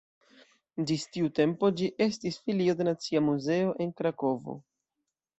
Ĝis tiu tempo ĝi estis filio de Nacia Muzeo en Krakovo.